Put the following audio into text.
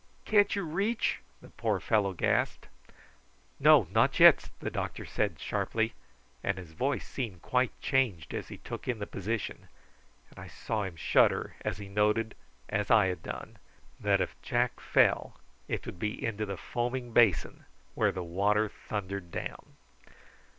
"Can't you reach?" the poor fellow gasped. "No, not yet," the doctor said sharply; and his voice seemed quite changed as he took in the position; and I saw him shudder as he noted, as I had done, that if Jack fell it would be into the foaming basin where the water thundered down.